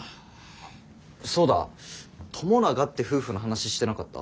そうだ友永って夫婦の話してなかった？